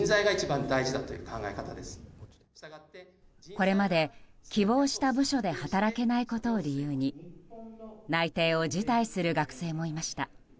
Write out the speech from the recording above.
これまで希望した部署で働けないことを理由に内定を辞退する学生もいました。